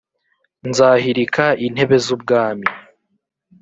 Nzahirika intebe z’ubwami